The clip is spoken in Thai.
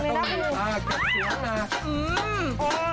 มาเก็บเสียงนะ